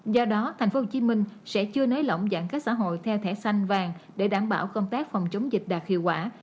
do đó thành phố hồ chí minh sẽ chưa nới lỏng giãn cách xã hội theo thẻ xanh vàng để đảm bảo công tác phòng chống dịch đạt hiệu quả